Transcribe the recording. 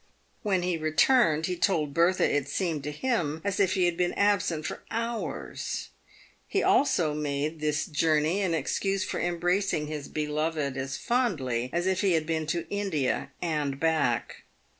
When he returned, he told Bertha it seemed to him as if he had been absent for hours. He also made this journey an excuse for embracing his beloved as fondly as if he had been to India and back.